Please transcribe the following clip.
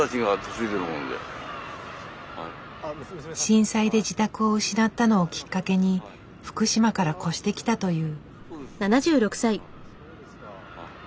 震災で自宅を失ったのをきっかけに福島から越してきたという。